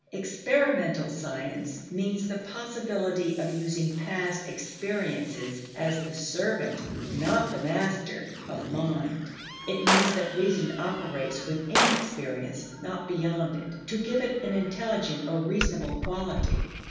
Experimental science means the possibility of using past experiences as the servant, not the master, of mind. It means that reason operates within experience, not beyond it, to give it an intelligent or reasonable quality.